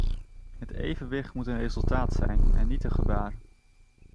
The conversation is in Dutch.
Het evenwicht moet een resultaat zijn, en niet een gebaar.